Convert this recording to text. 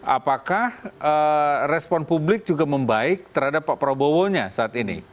apakah respon publik juga membaik terhadap pak prabowo nya saat ini